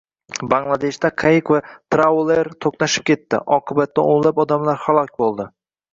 Bangladeshda qayiq va trauler to‘qnashib ketdi. Oqibatda o‘nlab odamlar halok bo‘ldi